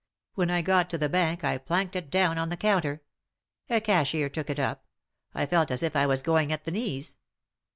When I got to the bank I planked it down on the counter. A cashier took it up— I felt as if I was going at the knees.